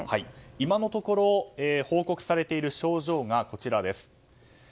今のところ、報告されている症状がこちらです。